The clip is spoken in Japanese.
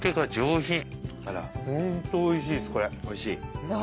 おいしい！